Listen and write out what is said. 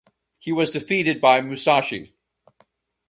He was defeated by Musashi.